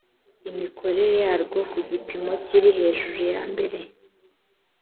imikorere yarwo ku gipimo kiri hejuru ya mbere